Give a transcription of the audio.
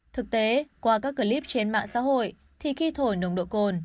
thực tế qua các clip trên mạng xã hội thì khi thổi nồng độ cồn